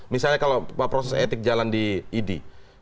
misalnya kalau proses etik jalan di idi